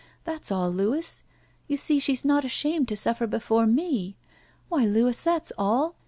That's all, Louis. You see, she's not ashamed to suffer before me. Why, Louis — that's all